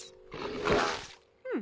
うん。